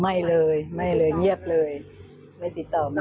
ไม่เลยไม่เลยเงียบเลยไม่ติดต่อมา